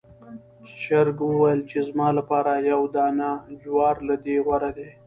چرګ وویل چې زما لپاره یو دانې جوار له دې غوره دی.